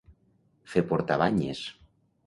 Fer portar banyes.